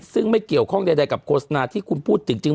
ซึ่งไม่เกี่ยุกับโฆษณาที่คุณพูดจริง